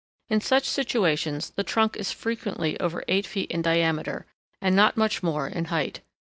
In such situations the trunk is frequently over eight feet in diameter, and not much more in height.